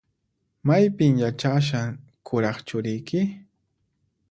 Maypin yachashan kuraq churiyki?